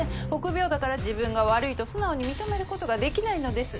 臆病だから自分が悪いと素直に認めることができないのです。